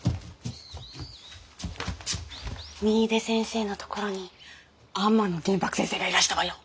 新出先生のところに天野源伯先生がいらしたわよ。